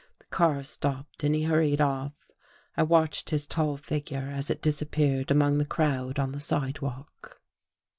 The car stopped, and he hurried off. I watched his tall figure as it disappeared among the crowd on the sidewalk....